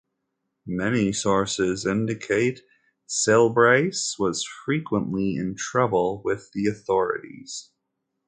Many sources indicate Sylbaris was frequently in trouble with the authorities.